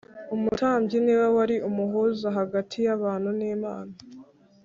Umutambyi niwe wari umuhuza hagati y’abantu n’Imana